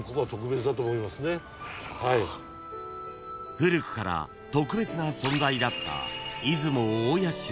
［古くから特別な存在だった出雲大社］